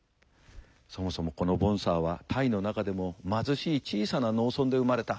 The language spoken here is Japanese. そもそもこのボンサーはタイの中でも貧しい小さな農村で生まれた。